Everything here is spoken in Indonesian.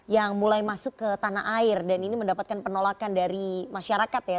yang mulai masuk ke tanah air dan ini mendapatkan penolakan dari masyarakat ya